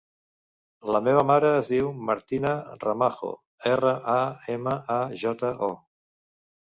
La meva mare es diu Martina Ramajo: erra, a, ema, a, jota, o.